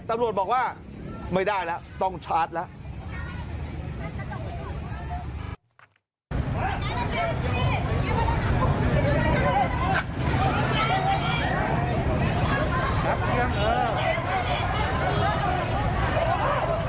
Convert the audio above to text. ตำรวจบอกว่าไม่ได้แล้วต้องชาร์จแล้ว